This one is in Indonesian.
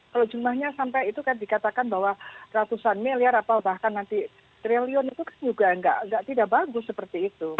kalau jumlahnya sampai itu kan dikatakan bahwa ratusan miliar atau bahkan nanti triliun itu kan juga tidak bagus seperti itu